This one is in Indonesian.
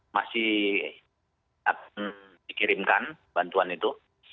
masih dikirimkan bantuan itu